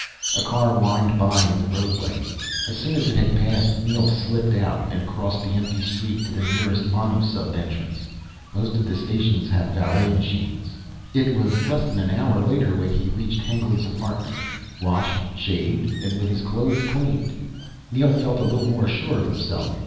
A car whined by in the roadway. As soon as it had passed Neel slipped out and crossed the empty street to the nearest monosub entrance. Most of the stations had valet machines. It was less than an hour later when he reached Hengly's apartment. Washed, shaved and with his clothes cleaned Neel felt a little more sure of himself.